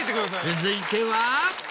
続いては。